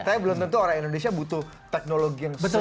tapi belum tentu orang indonesia butuh teknologi yang besar